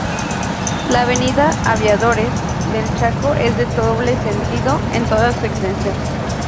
La Avenida Aviadores del Chaco es de doble sentido en toda su extensión.